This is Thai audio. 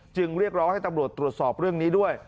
เรียกร้องให้ตำรวจตรวจสอบเรื่องนี้ด้วย